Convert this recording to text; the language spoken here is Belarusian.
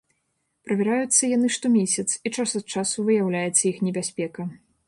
Правяраюцца яны штомесяц, і час ад часу выяўляецца іх небяспека.